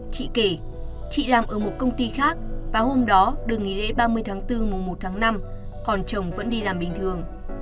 chị kể chị làm ở một công ty khác và hôm đó được nghỉ lễ ba mươi tháng bốn mùa một tháng năm còn chồng vẫn đi làm bình thường